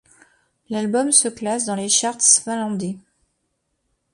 L'album se classe dans les charts finlandais.